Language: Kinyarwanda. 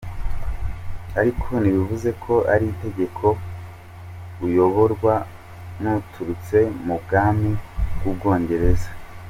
Ariko ntibivuze ko ari itegeko ko uyoborwa n’uturutse mu bwami bw’u Bwongereza.